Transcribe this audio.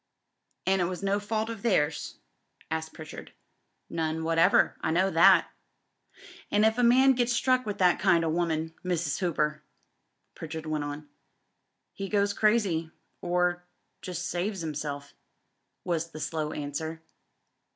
"An' it was no fault o' theirs?" asked Pritchard. "None whatever. I know thatl" "An' if a man gets struck with that kind o' woman. Mr. Hooper?" Pritchard went on. "He goes crazy — or just saves himself," was the slow answer.